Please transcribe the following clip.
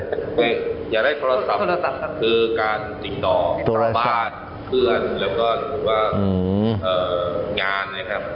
แต่อย่าได้โทรศัพท์คือการติดต่อบ้านเพื่อนแล้วก็หรือว่างานนะครับ